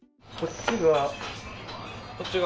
こっちが？